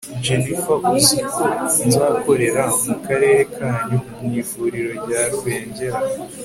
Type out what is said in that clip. jennifer uziko nzakorera mu karere kanyu mu ivuriro rya rubengera